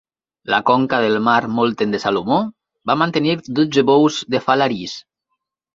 La conca del mar Molten de Salomó va mantenir dotze bous de Falaris.